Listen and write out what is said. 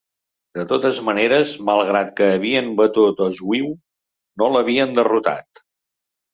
De totes maneres, malgrat que havien batut Oswiu, no l'havien derrotat.